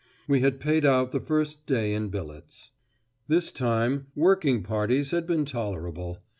We had paid out the first day in billets. This time "working parties" had been tolerable.